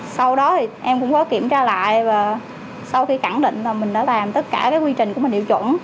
sau đó em cũng có kiểm tra lại và sau khi cẳng định là mình đã làm tất cả quy trình của mình điều chuẩn